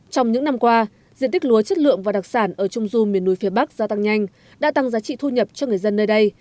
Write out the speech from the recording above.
trong những năm qua diện tích lúa chất lượng và đặc sản ở trung du miền núi phía bắc gia tăng nhanh đã tăng giá trị thu nhập cho người dân nơi đây